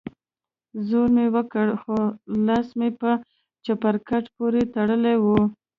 زور مې وکړ خو لاس مې په چپرکټ پورې تړلى و.